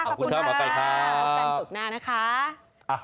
ขอบคุณกันสุขหน้านะคะ